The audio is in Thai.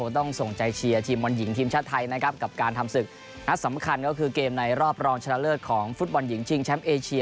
ต้องส่งใจเชียร์ทีมบอลหญิงทีมชาติไทยนะครับกับการทำศึกนัดสำคัญก็คือเกมในรอบรองชนะเลิศของฟุตบอลหญิงชิงแชมป์เอเชีย